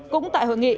cũng tại hội nghị